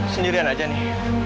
sendirian aja nih